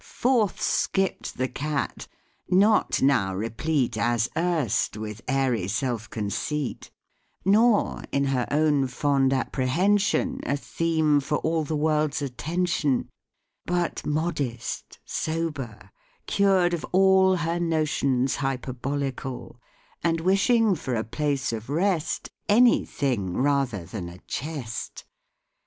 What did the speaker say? Forth skipp'd the cat, not now replete As erst with airy self conceit, Nor in her own fond apprehension A theme for all the world's attention, But modest, sober, cured of all Her notions hyperbolical, And wishing for a place of rest Any thing rather than a chest.